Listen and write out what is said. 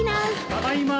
・ただいま。